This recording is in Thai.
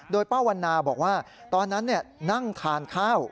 โดยป้าวันนาบอกว่าตอนนั้นนั่งทานข้าว